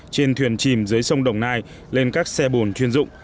trên thuyền chìm dưới sông đồng nai lên các xe bồn chuyên dụng